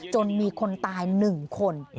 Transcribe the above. จนมีคนตายหนึ่งคน